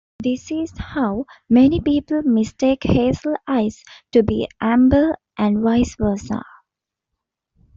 This is how many people mistake hazel eyes to be amber and vice versa.